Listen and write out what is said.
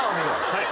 はい。